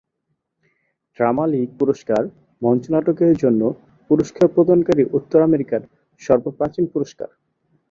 Drama league পুরস্কার মঞ্চনাটকের জন্য পুরস্কার প্রদানকারী উত্তর আমেরিকার সর্বপ্রাচীন পুরস্কার।